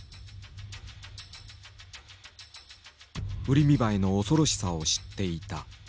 ウリミバエの恐ろしさを知っていた。